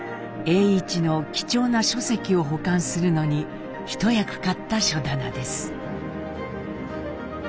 栄一の貴重な書籍を保管するのに一役買った書棚です。